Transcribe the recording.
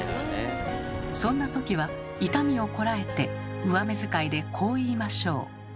そんなときは痛みをこらえて上目使いでこう言いましょう。